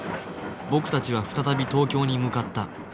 僕たちは再び東京に向かった。